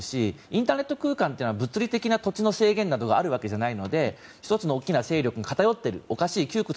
インターネット空間は物理的な土地の制限などがあるわけではないので１つの大きな勢力に偏ってるのはおかしい。